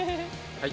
はい。